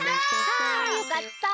あよかった！